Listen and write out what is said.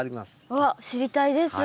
あっ知りたいです。